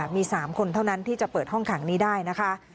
มี๓คนเท่านั้นที่จะเปิดห้องขังนี้ได้นะคะ